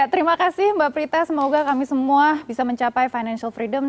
terima kasih mbak prita semoga kami semua bisa mencapai financial freedom